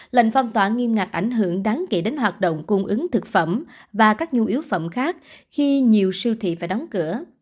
lệnh phong tỏa nghiêm ngặt ảnh hưởng đáng kể đến hoạt động cung ứng thực phẩm và các nhu yếu phẩm khác khi nhiều siêu thị phải đóng cửa